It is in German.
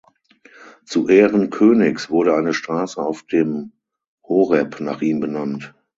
Zu Ehren Königs wurde eine Straße auf dem Horeb nach ihm benannt.